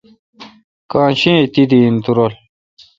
کاں شہ اؘ تیدی این تو رل۔